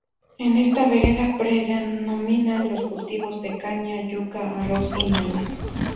En esta vereda predominan los cultivos de caña, yuca, arroz y maíz.